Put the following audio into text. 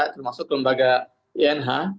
termasuk lembaga inh